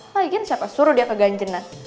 lagian siapa suruh dia keganjena